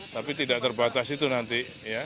tapi tidak terbatas itu nanti